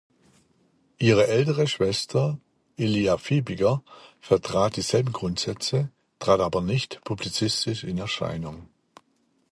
Ihre ältere Schwester Ilia Fibiger vertrat dieselben Grundsätze, trat aber nicht publizistisch in Erscheinung.